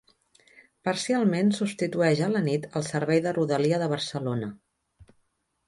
Parcialment substitueix a la nit el servei de Rodalia de Barcelona.